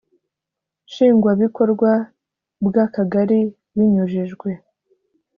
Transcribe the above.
nshingwabikorwa bw akagari binyujijwe